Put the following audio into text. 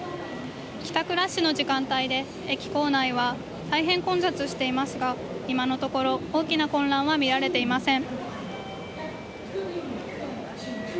帰宅ラッシュの時間帯で駅構内は大変混雑していますが、今のところ大きな混乱は見られていません。